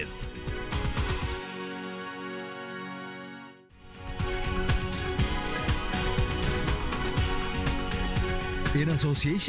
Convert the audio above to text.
tapi kalau dia dua puluh satu sih